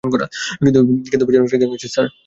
কিন্তু পেছনে একটা গ্যাং আসছে, স্যার।